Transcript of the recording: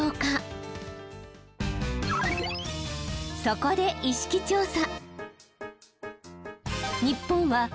そこで意識調査。